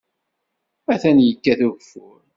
Atan yekkat ugeffur.